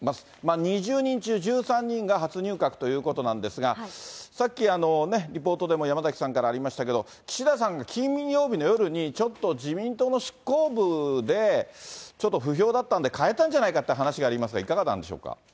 ２０人中１３人が初入閣ということなんですが、さっきね、リポートでも山崎さんからありましたけど、岸田さんが金曜日の夜に、ちょっと自民党の執行部で、ちょっと不評だったんで、変えたんじゃないかって話がありましたが、いかがなんでしょうか。